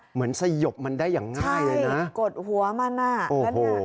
เหมือนสยบมันได้อย่างง่ายเลยนะใช่กดหัวมันอ่ะโอ้โห